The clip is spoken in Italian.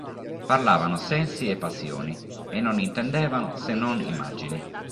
Parlavano sensi e passioni, e non intendevano se non immagini.